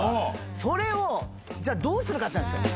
それを、じゃあ、どうするかっていう話ですよ。